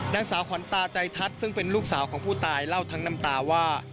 นางสาวขวัญตาใจทัศน์ซึ่งเป็นลูกสาวของผู้ตายเล่าทั้งน้ำตาว่า